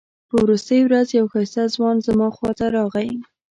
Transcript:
په وروستۍ ورځ یو ښایسته ځوان زما خواته راغی.